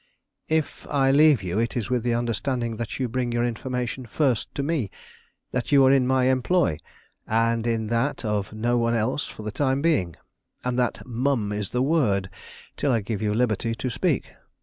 "If I leave you, it is with the understanding that you bring your information first to me; that you are in my employ, and in that of no one else for the time being; and that mum is the word till I give you liberty to speak."